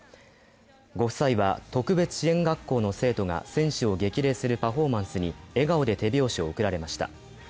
ご夫妻は特別支援学校の生徒が選手を激励するパフォーマンスに笑顔で手拍子を送られました。